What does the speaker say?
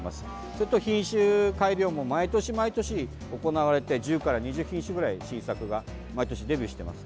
それと、品種改良も毎年毎年行われて１０から２０品種くらい新作が毎年デビューしています。